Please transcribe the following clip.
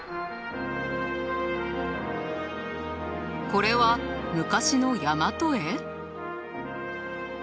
これは昔の大和絵？